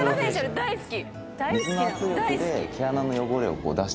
大好き！